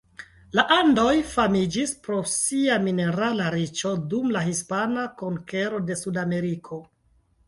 La Andoj famiĝis pro sia minerala riĉo dum la Hispana konkero de Sudameriko.